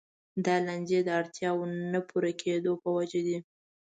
دا لانجې د اړتیاوو نه پوره کېدو په وجه دي.